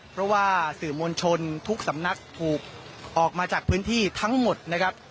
เพราะว่าสื่อมวลชนทุกสำนักถูกออกมาจากพื้นที่ทั้งหมดนะครับ